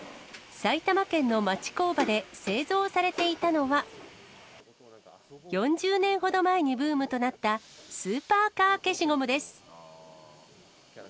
埼玉県の町工場で製造されていたのは、４０年ほど前にブームとなった、スーパーカー消しゴムです。